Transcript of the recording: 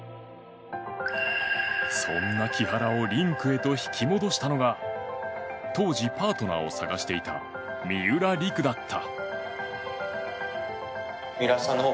そんな木原をリンクへと引き戻したのが当時パートナーを探していた三浦璃来だった。